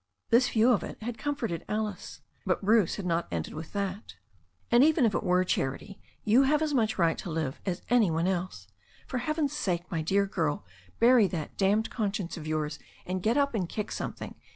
This view of it had comforted Alice. But Bruce had not ended with that. "And even if it were charity, you have as much right to 176 THE STORY OF A NEW ZEALAND RIVER live as any one else. For heaven's sake, my dear girl, bury that damned conscience of yours, and get up and kick some thing.